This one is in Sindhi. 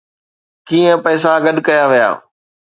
ڪئين پئسا گڏ ڪيا ويا